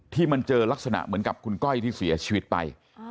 ที่มันเจอลักษณะเหมือนกับคุณก้อยที่เสียชีวิตไป